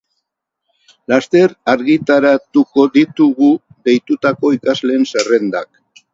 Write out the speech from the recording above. Laster argitaratuko ditugu deitutako ikasleen zerrendak.